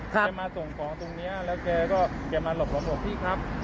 แกมาส่งของตรงนี้แล้วแกก็มาหลบพี่ครับ